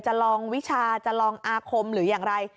จะลองวิชาจะลองอาคมหรืออย่างไร